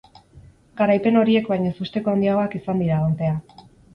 Garaipen horiek baino ezusteko handiagoak izan dira, ordea.